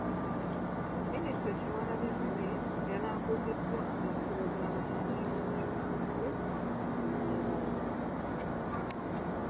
Minisita Kyewalabye Male yalambuziddwa amasiro ga ba Namuyonjo abazze babeerawo.